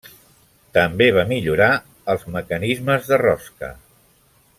També va millorar els mecanismes de rosca.